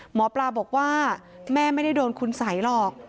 หมอปลาบอกว่าแม่ไม่ได้โดนคุณสัยหรอก